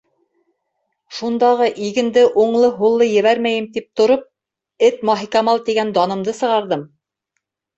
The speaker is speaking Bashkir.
Шундағы игенде уңлы-һуллы ебәрмәйем, тип, тороп, «Эт Маһикамал» тигән данымды сығарҙым.